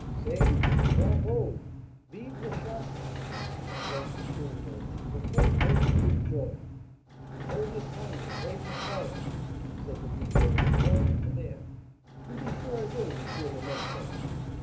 "Saved? Bravo! Vive la Charte!" exclaimed the Chourineur, in the full burst of his joy. "Hold your tongue! and pray be quiet!" said the negro, in a tone of command. "To be sure I will, M. le Médécin."